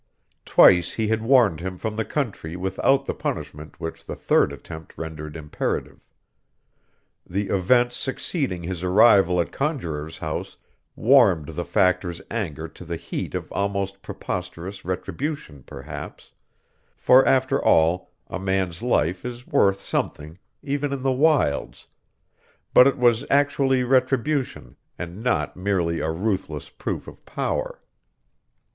Twice he had warned him from the country without the punishment which the third attempt rendered imperative. The events succeeding his arrival at Conjuror's House warmed the Factor's anger to the heat of almost preposterous retribution perhaps for after all a man's life is worth something, even in the wilds but it was actually retribution, and not merely a ruthless proof of power.